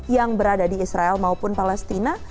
yang berada di israel maupun palestina